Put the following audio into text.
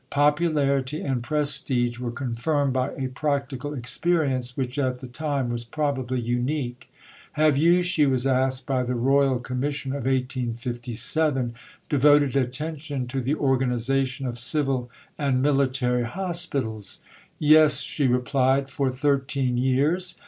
Popularity and prestige were confirmed by a practical experience which at the time was probably unique. "Have you," she was asked by the Royal Commission of 1857, "devoted attention to the organization of civil and military hospitals?" "Yes," she replied, "for thirteen years.